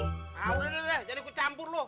nah udah deh jadi gue campur loh